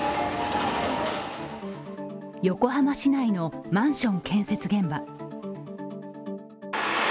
横浜市内のマンション建設現場。